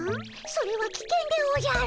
それはきけんでおじゃる。